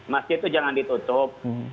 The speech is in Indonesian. masjid itu jangan ditutup